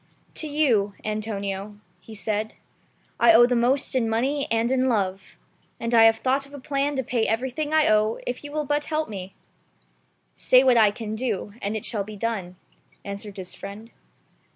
"To you, Antonio,'' he said, "I owe the most in money and in love ; and I have thought of a plan to pay everything I owe if you will but help me." "Say what I can do, and it shall be done," answered his friend.